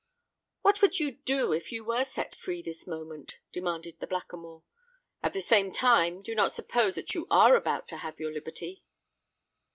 "What would you do if you were set free this moment?" demanded the Blackamoor. "At the same time, do not suppose that you are about to have your liberty."